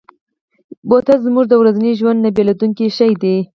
بوتل زموږ د ورځني ژوند نه بېلېدونکی شی دی.